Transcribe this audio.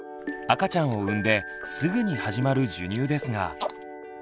赤ちゃんを産んですぐに始まる授乳ですが。